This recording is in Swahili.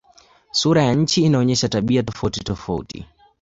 Sura ya nchi inaonyesha tabia tofautitofauti.